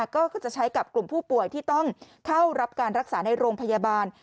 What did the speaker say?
ก็จะใช้กับกลุ่มผู้ป่วยที่ต้องเข้ารับการรักษาในโรงพยาบาล